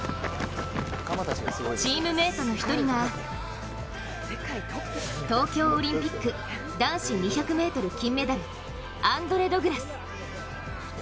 チームメートの一人が東京オリンピック男子２００ｍ金メダルアンドレ・ドグラス。